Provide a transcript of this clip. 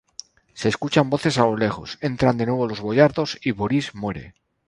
Se escuchan voces a lo lejos, entran de nuevo los boyardos y Borís muere.